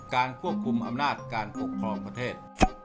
การควบคุมอำนาจการปกครองประเทศ